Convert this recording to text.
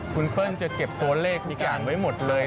คุณเปิ้ลจะเก็บตัวเลขทุกอย่างไว้หมดเลย